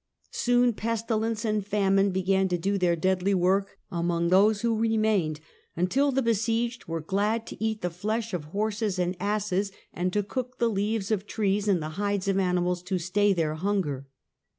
Soon pestilence and famine began to do their deadly work among those who remained, until the besieged were glad to eat the flesh of horses and asses, and to cook the leaves of trees and the hides of animals, to stay their hunger.